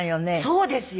そうですよ。